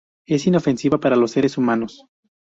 Es inofensiva para los seres humanos.